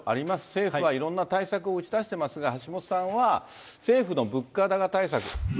政府はいろんな対策を打ち出してますが、橋下さんは、政府の物価高対策。